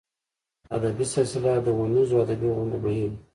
ادبي سلسله د اوونیزو ادبي غونډو بهیر و.